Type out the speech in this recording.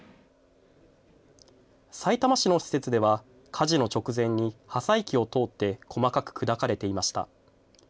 さいたま市の施設では、火事の直前に破砕機を通って細かく砕かれていました。